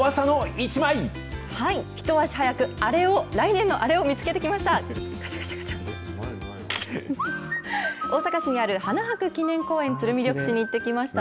一足早く、あれを、来年のあれを見つけてきました。